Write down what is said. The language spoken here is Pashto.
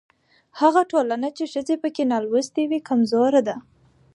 هغه ټولنه چې ښځې پکې نالوستې وي کمزورې ده.